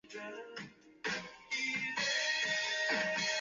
全日本少年足球大赛为对象的日本足球赛会制赛事。